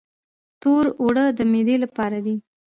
تور اوړه د معدې لپاره دي.